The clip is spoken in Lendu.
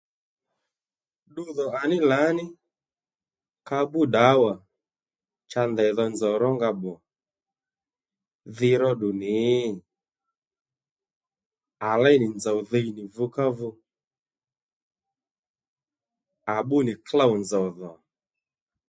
Ddudhò à ní lǎní ka bbu ddǎwà cha ndèy dho nzòw rónga pbò dhi róddù nì ? à léy nì nzów dhiy nì vukávu à bbú nì klǒw nzòw dhò